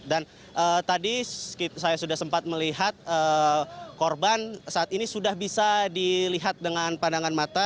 dan tadi saya sudah sempat melihat korban saat ini sudah bisa dilihat dengan pandangan mata